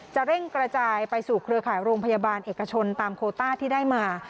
เร่งกระจายไปสู่เครือข่ายโรงพยาบาลเอกชนตามโคต้าที่ได้มา